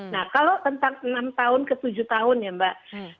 nah kalau tentang enam tahun ke tujuh tahun ya mbak